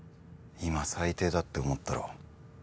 今最低だって思ったろ？